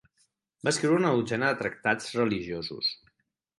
Va escriure una dotzena de tractats religiosos.